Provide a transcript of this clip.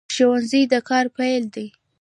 ښوونځی د کار پیل دی